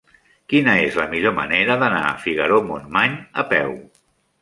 Quina és la millor manera d'anar a Figaró-Montmany a peu?